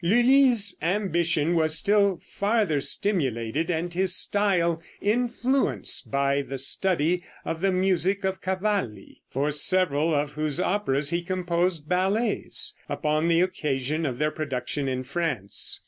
Lulli's ambition was still farther stimulated and his style influenced by the study of the music of Cavalli, for several of whose operas he composed ballets, upon the occasion of their production in France.